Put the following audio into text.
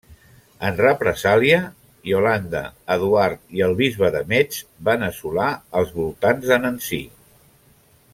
En represàlia, Iolanda, Eduard i el bisbe de Metz van assolar els voltants de Nancy.